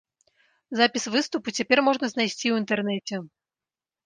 Запіс выступу цяпер можна знайсці ў інтэрнэце.